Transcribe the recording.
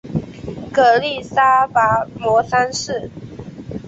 曷利沙跋摩三世。